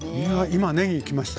今ねぎきました。